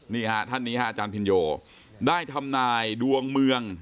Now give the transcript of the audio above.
นี่ฮะท่านนี้ฮะอาจารย์พินโยได้ทำนายดวงเมือง